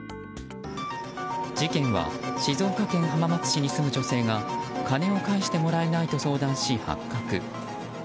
事件は静岡県浜松市に住む女性が金を返してもらえないと相談し発覚。